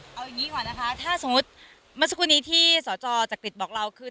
เอาอย่างงี้ก่อนนะคะถ้าสมมติมัศกุณีที่สอจอจากกฤษบอกเราคือ